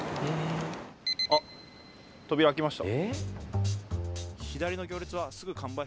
あっ扉開きました。